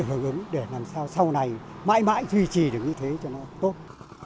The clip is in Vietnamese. rất là hợp ứng để làm sao sau này mãi mãi duy trì được như thế cho nó tốt